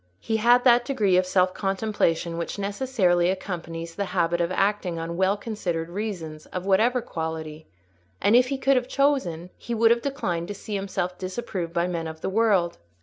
He had that degree of self contemplation which necessarily accompanies the habit of acting on well considered reasons, of whatever quality; and if he could have chosen, he would have declined to see himself disapproved by men of the world.